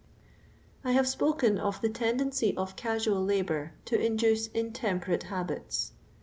" I have spoken of tV.e tendency of casual labour to induce intemperate habits.